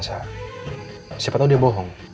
siapa tau dia bohong